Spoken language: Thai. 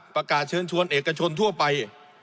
ประกาศเชิญชวนเอกชนทั่วไป